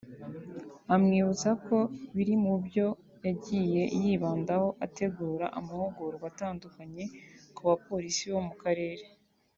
amwibutsa ko biri mu byo yagiye yibandaho ategura amahugurwa atandukanye ku bapolisi bo mu Karere